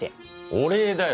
お礼だよ。